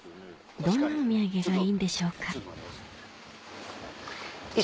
どんなお土産がいいんでしょうか？